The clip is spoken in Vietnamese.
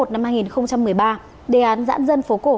năm hai nghìn một mươi ba đề án giãn dân phố cổ